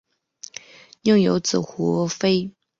宁有子胡虔。